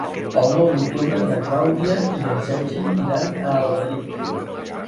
El nou d'octubre na Clàudia i en Sergi iran a Alberic.